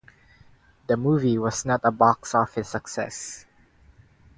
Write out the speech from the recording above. The movie was not a box office success.